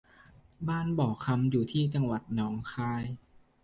บ้านบ่อคำอยู่ที่จังหวัดหนองคาย